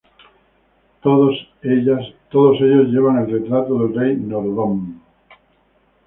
Todos ellas llevan el retrato del rey Norodom.